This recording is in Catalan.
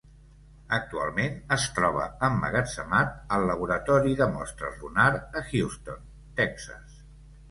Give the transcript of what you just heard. Actualment es troba emmagatzemat al laboratori de mostres Lunar a Houston, Texas.